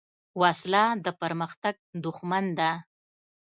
وسله د پرمختګ دښمن ده